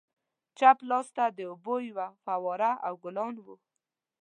چپ لاسته د اوبو یوه فواره او ګلان وو.